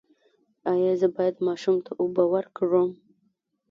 ایا زه باید ماشوم ته اوبه ورکړم؟